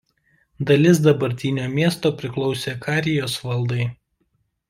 Dalis dabartinio miesto priklausė Karijos valdai.